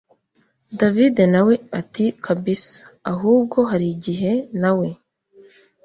david nawe ati kabisa, ahubwo harigihe nawe